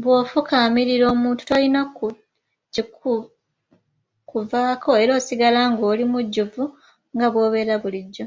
Bw'ofukaamirira omuntu tolina kikuvaako era osigala nga oli mujjuvu nga bw'obeera bulijjo.